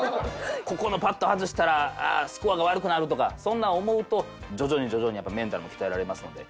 ここのパット外したらスコアが悪くなるとかそんなん思うと徐々に徐々にメンタルも鍛えられますので。